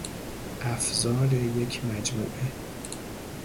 افزار یک مجموعه